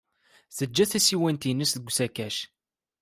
Tejja tasiwant-nnes deg usakac.